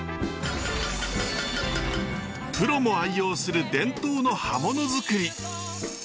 プロも愛用する伝統の刃物作り。